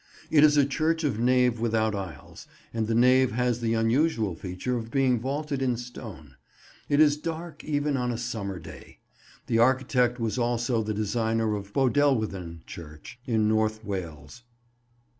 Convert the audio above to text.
It is a church of nave without aisles, and the nave has the unusual feature of being vaulted in stone. It is dark even on a summer day. The architect was also the designer of Bodelwyddan church, in North Wales.